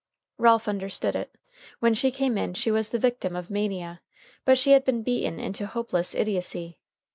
Ralph understood it. When she came in she was the victim of mania; but she had been beaten into hopeless idiocy.